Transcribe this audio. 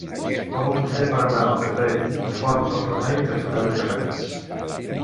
Com ho puc fer per anar al carrer Font del Remei cantonada Capellans?